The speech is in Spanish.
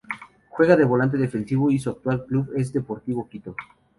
Juega de volante defensivo y su actual club es Deportivo Quito.